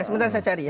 sebentar saya cari ya